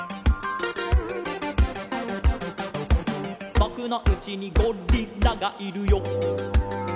「ぼくのうちにゴリラがいるよ」